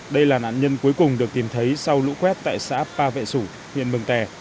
đây là nạn nhân cuối cùng được tìm thấy sau lũ quét tại xã pa vệ sủ huyện mường tè